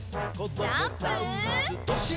ジャンプ！